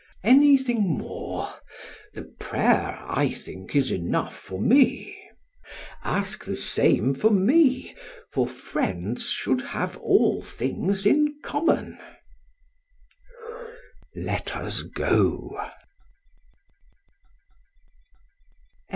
Anything more? The prayer, I think, is enough for me. PHAEDRUS: Ask the same for me, for friends should have all things in common.